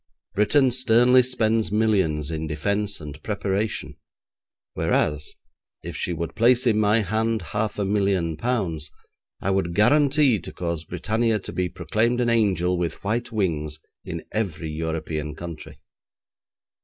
Britain sternly spends millions in defence and preparation, whereas, if she would place in my hand half a million pounds I would guarantee to cause Britannia to be proclaimed an angel with white wings in every European country.